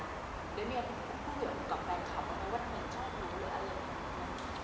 เดี๋ยวเมียพูดเรื่องกับแฟนคับว่าเขาชอบดูหรืออะไร